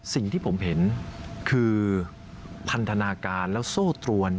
สิ่งที่ผมเห็นคือพันธนาการแล้วโซ่ตรวน